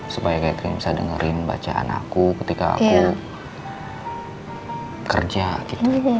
supaya kayak tidak bisa dengerin bacaan aku ketika aku kerja gitu